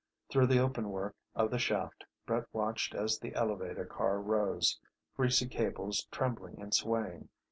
Through the openwork of the shaft Brett watched as the elevator car rose, greasy cables trembling and swaying.